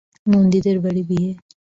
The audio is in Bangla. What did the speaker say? নন্দীদের বাড়ি বিয়ে।